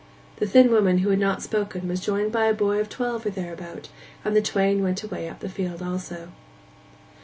The thin woman who had not spoken was joined by a boy of twelve or thereabout, and the twain went away up the field also.